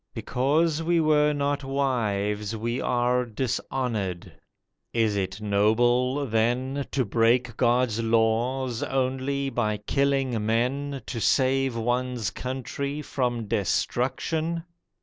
Because we were not wives We are dishonoured. Is it noble, then, To break God's laws only by killing men To save one's country from destruction?